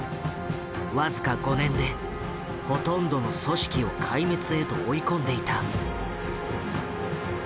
僅か５年でほとんどの組織を壊滅へと追い込んでいた。